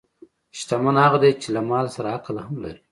شتمن هغه دی چې له مال سره عقل هم لري.